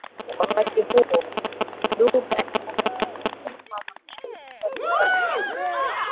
Wakati huu Dube alianza kugundua kwamba mashabiki walifurahishwa